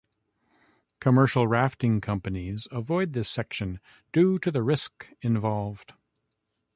Commercial rafting companies avoid this section, due to the risk involved.